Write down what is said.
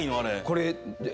これ。